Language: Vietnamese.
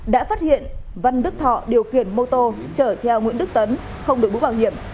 đã phát hiện văn đức thọ điều khiển mô tô chở theo nguyễn đức tấn không đổi bút bảo hiểm